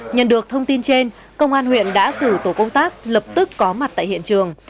nhận được thông tin trên công an huyện đã cử tổ công tác lập tức có mặt tại hiện trường